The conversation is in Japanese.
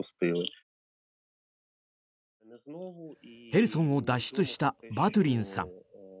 ヘルソンを脱出したバトゥリンさん。